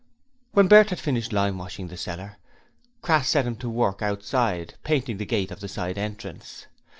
When Bert had finished limewashing the cellar, Crass set him to work outside, painting the gate of the side entrance.